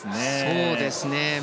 そうですね。